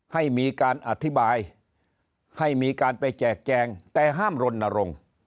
ให้มีการอธิบายให้มีการไปแจกแจงแต่ห้ามรณรงค์